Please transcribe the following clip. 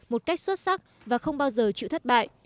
một cách xuất sắc và không bao giờ chịu thất bại